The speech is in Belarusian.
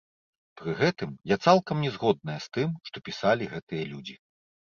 Пры гэтым, я цалкам не згодная з тым, што пісалі гэтыя людзі.